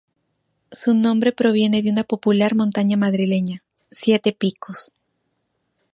Su nombre proviene de una popular montaña madrileña: Siete Picos.